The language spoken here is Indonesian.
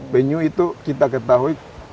penyu itu kita ketahui